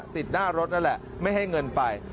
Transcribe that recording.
ติดหน้ารถนั่นแหละไม่ให้เงินไป